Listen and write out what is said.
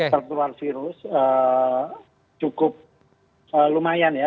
tertular virus cukup lumayan ya